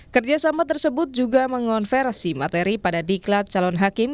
kerjasama tersebut juga mengonversi materi pada diklat calon hakim